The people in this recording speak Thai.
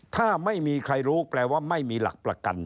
ถ้าไม่มีใครรู้แปลว่าไม่มีหลักประกัน